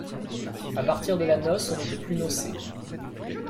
À partir de la noce, on ne peut plus nocer.